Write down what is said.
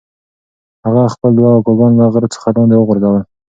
هغه خپل دوه اکاګان له غره څخه لاندې وغورځول.